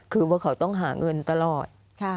คือว่าเขาต้องหาเงินตลอด